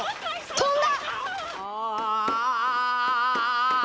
飛んだ！